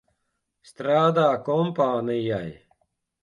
Strādā kompānijai.